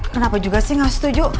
kenapa juga sih nggak setuju